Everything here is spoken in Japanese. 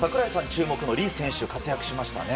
注目のリ選手活躍しましたね。